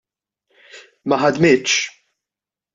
Ma ħadmitx.